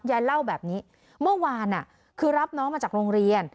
ยายเล่าแบบนี้เมื่อวานคือรับน้องมาจากโรงเรียน